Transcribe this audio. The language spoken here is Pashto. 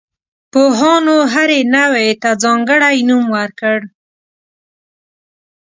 پوهانو هرې نوعې ته ځانګړی نوم ورکړ.